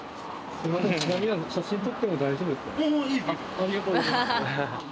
ありがとうございます。